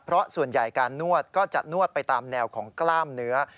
เพราะส่วนใหญ่การนวดก็จะนวดไปตามแนวของกล้ามเนื้อ